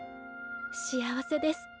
幸せです。